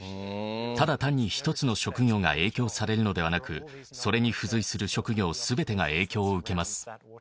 ただ単に１つの職業が影響されるのではなくそれに付随する職業全てが影響を受けます。